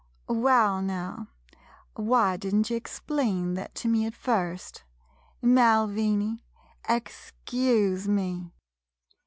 Waal, now, why did n't ye explain thet to me at first — Malviny — excuse me.